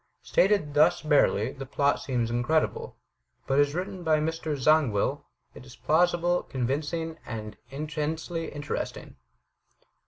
Stated thus barely, the plot seems incredible; but as written by Mr. Zangwill, it is plausible, convincing, and intensely interesting.